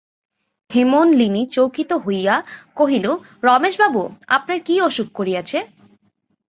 হেমনলিনী চকিত হইয়া কহিল, রমেশবাবু, আপনার কি অসুখ করিয়াছে?